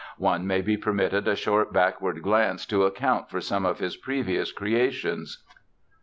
One may be permitted a short backward glance to account for some of his previous creations.